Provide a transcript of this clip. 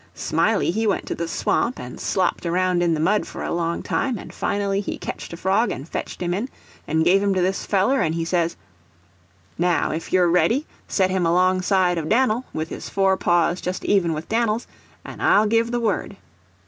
Smiley he went to the swamp and slopped around in the mud for a long time, and finally he ketched a frog, and fetched him in, and give him to this feller, and says: "Now, if you're ready, set him alongside of Dan'l, with his forepaws just even with Dan'l's, and I'll give the word."